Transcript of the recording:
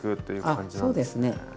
あそうですね。